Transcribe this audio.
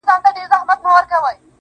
زه له غمه سينه چاک درته ولاړ يم,